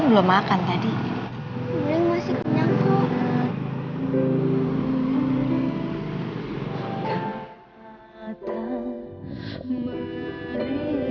bening udah kenyang